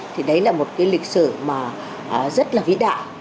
thì đấy là một cái lịch sử mà rất là vĩ đại